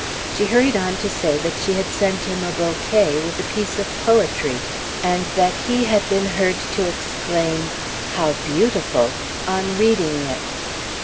She hurried on to say that she had sent him a bouquet, with a piece of poetry, and that he had been heard to exclaim, "How beautiful!" on reading it.